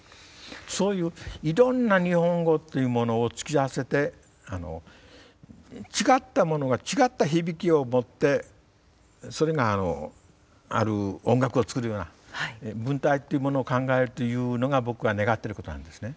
そういういろんな日本語というものを突き合わせて違ったものが違った響きを持ってそれがある音楽を作るような文体っていうものを考えるというのが僕が願ってることなんですね。